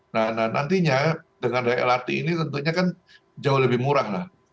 nah nantinya dengan daya lrt ini tentunya kan jauh lebih murah